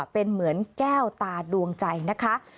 เป็นเหมือนแก้วตาดวงใจนะคะ